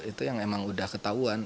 itu yang memang sudah ketahuan